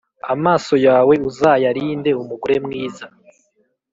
Amaso yawe uzayarinde umugore mwiza,